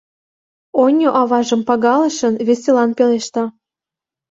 Оньо аважым пагалышын, веселан пелешта: